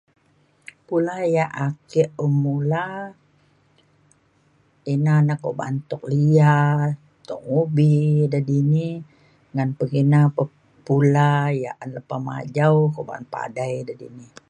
pula yak ake un mula ina na kok ba’an tuk lia tuk ubi de dini ngan pekina pa pula yak an lepa majau kok ba’an padai de dini